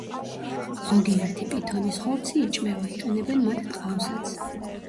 ზოგიერთი პითონის ხორცი იჭმევა, იყენებენ მათ ტყავსაც.